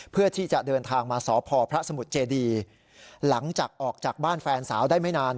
เพื่อที่จะเดินทางมาสพพระสมุทรเจดีหลังจากออกจากบ้านแฟนสาวได้ไม่นาน